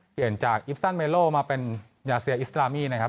เปลี่ยนจากอิปซันเมโลมาเป็นยาเซียอิสรามีนะครับ